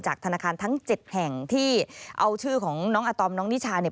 ธนาคารทั้ง๗แห่งที่เอาชื่อของน้องอาตอมน้องนิชาเนี่ย